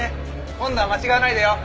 今度は間違わないでよ。